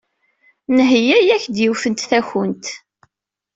Nheyya-ak-d yiwet n takunt.